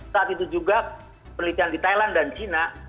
saat itu juga penelitian di thailand dan china